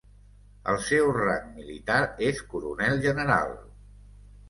El seu rang militar és coronel-general.